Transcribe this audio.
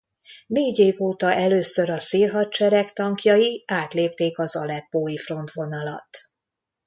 Négy év óta először a Szír Hadsereg tankjai átlépték az aleppói frontvonalat.